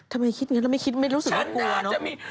ทำไมคิดงั้นแล้วไม่รู้สึกก็กลัวเนาะ